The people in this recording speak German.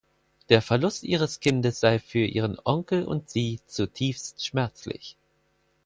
Der Verlust ihres Kindes sei für ihren Onkel und sie zutiefst schmerzlich.